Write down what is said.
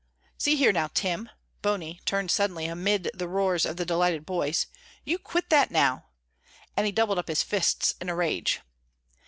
"See here, now, Tim," Bony turned suddenly amid the roars of the delighted boys, "you quit that now," and he doubled up his fists in a rage.